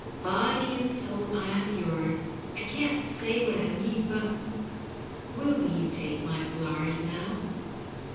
Body and soul I am yours ; I can't say what I mean, but — ^will you take my flowers now